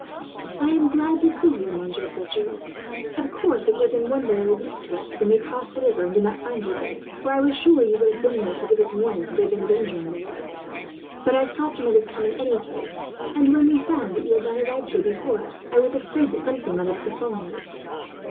"I am glad to see you, Monsieur Fletcher. Of course, it was in one way a relief to us, when we crossed the river and did not find you there; for I was sure you would have been there to give us warning, had there been danger on the way; but I thought you might come in any case, and when we found that you had not arrived here before us, I was afraid that something might have befallen you."